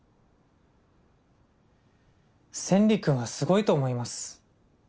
千利くんはすごいと思います。